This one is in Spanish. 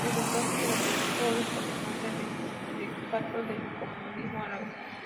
Desde entonces, se le aplicó el sobrenombre de "decano del comunismo árabe".